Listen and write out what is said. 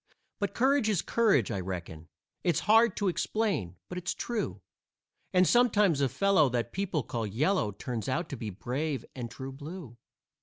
But courage is courage, I reckon; It's hard to explain, but it's true; And sometimes a fellow that people call yellow Turns out to be brave and true blue.